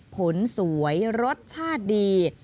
ผลสวยรสชาติดี